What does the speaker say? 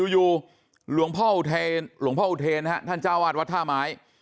อยู่หลวงพ่ออุเทรนท่านจาวาสวัดท่าไม้